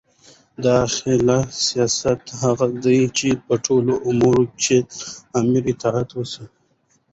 داخلي سیادت هغه دئ، چي په ټولو امورو کښي د امیر اطاعت وسي.